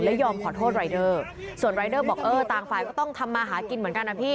ยอมขอโทษรายเดอร์ส่วนรายเดอร์บอกเออต่างฝ่ายก็ต้องทำมาหากินเหมือนกันนะพี่